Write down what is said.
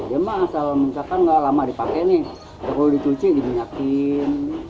dia mah asal muka kan nggak lama dipakai nih kalau dicuci diminyakin